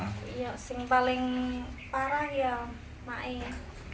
yang paling parah ya main